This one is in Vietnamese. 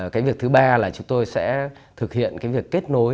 cái việc thứ ba là chúng tôi sẽ thực hiện cái việc kết nối